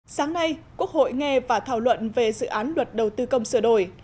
sáng nay quốc hội nghe và thảo luận về dự án luật đầu tư công sửa đổi